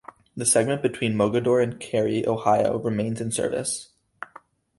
The segment between Mogadore and Carey, Ohio, remains in service.